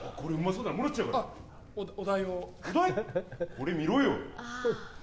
これ見ろよ。